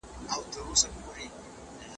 تخنيکي تجهيزاتو د کار سرعت زيات کړ.